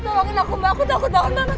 tolongin aku mbak aku takut banget